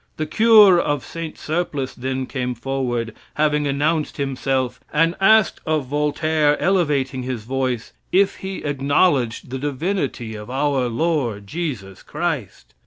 The cure of Saint Surplice then came forward, having announced himself, and asked of Voltaire, elevating his voice, if he acknowledged the divinity of our Lord Jesus Christ.